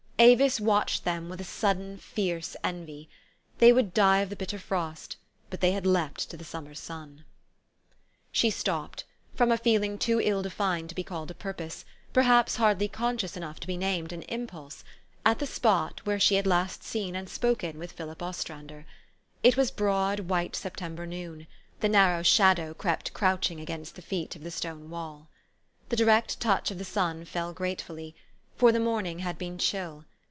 Avis watched them with a sudden, fierce envy : they would die of the bitter frost ; but they had leaped to the summer sun. She stopped from a feeh'ng too ill defined to be called a purpose, perhaps hardly conscious enough to be named an impulse at the spot where she had 178 THE STORY OF AVIS. last seen and spoken with Philip Ostrander. It was broad, white September noon. The narrow shadow crept crouching against the feet of the stone wall. The direct touch of the sun fell gratefully ; for the morning had been chill.